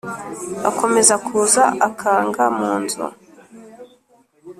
Akomeza kuza akanga mu nzu